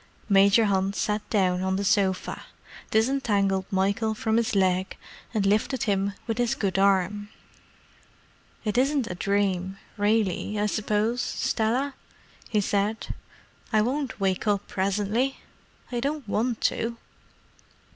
Major Hunt sat down on the sofa, disentangled Michael from his leg, and lifted him with his good arm. "It isn't a dream, really, I suppose, Stella?" he said. "I won't wake up presently? I don't want to."